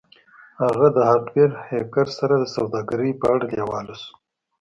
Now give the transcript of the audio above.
هغه د هارډویر هیکر سره د سوداګرۍ په اړه لیواله شو